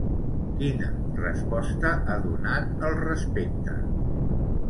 Quina resposta ha donat al respecte?